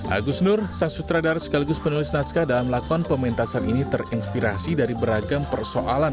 agus nur sang sutradara sekaligus penulis naskah dalam lakon pementasan ini terinspirasi dari beragam persoalan